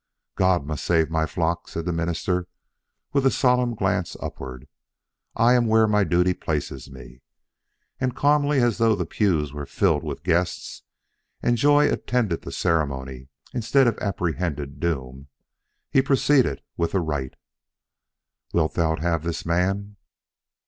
"God must save my flock," said the minister with a solemn glance upward. "I am where my duty places me." And calmly as though the pews were filled with guests and joy attended the ceremony instead of apprehended doom, he proceeded with the rite. "Wilt thou have this man...."